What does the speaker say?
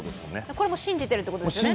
これも信じてるってことですもんね。